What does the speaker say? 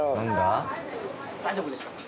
大丈夫ですよ